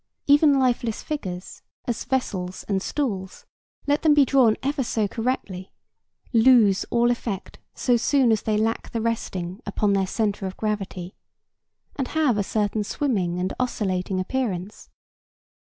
Even lifeless figures, as vessels and stools—let them be drawn ever so correctly—lose all effect so soon as they lack the resting upon their centre of gravity, and have a certain swimming and oscillating appearance.